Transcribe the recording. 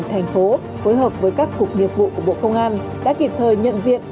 thành phố phối hợp với các cục nghiệp vụ của bộ công an đã kịp thời nhận diện